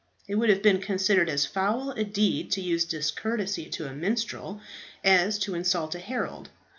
It would have been considered as foul a deed to use discourtesy to a minstrel as to insult a herald.